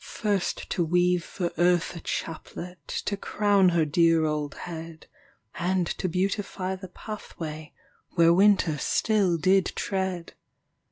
First to weave for Earth a chaplet To crown her dear old head; And to beautify the pathway Where winter still did tread.